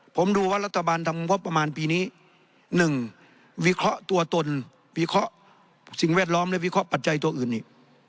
ผมดูว่ารัฐบาลทำงบประมาณปีนี้๑วิเคราะห์ตัวตนวิเคราะห์สิ่งแวดล้อมและวิเคราะห์ปัจจัยตัวอื่นอีก